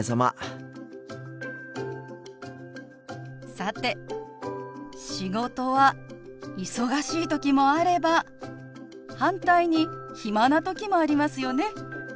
さて仕事は忙しい時もあれば反対に暇な時もありますよね。